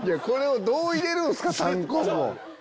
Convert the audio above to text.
これをどう入れるんすか⁉たんこぶ。